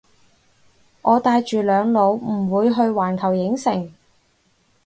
我帶住兩老唔會去環球影城